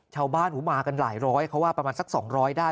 ชาวบ้านมากันหลายร้อยเขาว่าประมาณสัก๒๐๐ได้